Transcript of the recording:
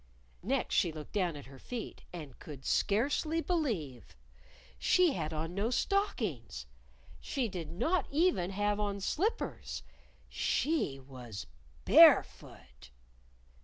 Next she looked down at her feet and could scarcely believe! She had on no stockings! She did not even have on slippers. _She was barefoot!